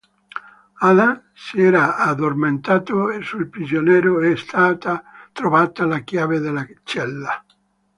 Adam si era addormentato e sul prigioniero è stata trovata la chiave della cella.